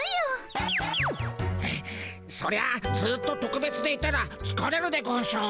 そりゃあずっととくべつでいたらつかれるでゴンショ。